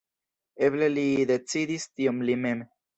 Eble li decidis tion li mem.